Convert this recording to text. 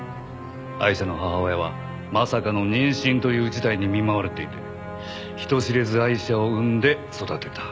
アイシャの母親はまさかの妊娠という事態に見舞われていて人知れずアイシャを産んで育てた。